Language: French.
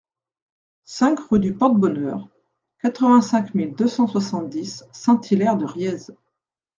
cinq rue du Porte-Bonheur, quatre-vingt-cinq mille deux cent soixante-dix Saint-Hilaire-de-Riez